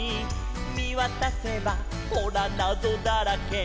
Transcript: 「みわたせばほらなぞだらけ」